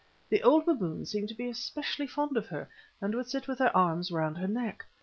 The old baboons seemed to be especially fond of her, and would sit with their arms round her neck.